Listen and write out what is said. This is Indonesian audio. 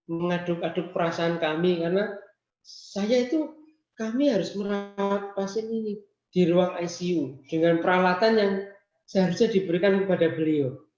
mengaduk aduk perasaan kami karena saya itu kami harus merawat pasien ini di ruang icu dengan peralatan yang seharusnya diberikan kepada beliau